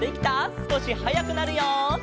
すこしはやくなるよ。